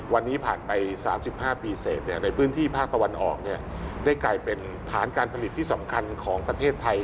วันนี้ผ่านไป๓๕ปีเสร็จในพื้นที่ภาคตะวันออกได้กลายเป็นฐานการผลิตที่สำคัญของประเทศไทย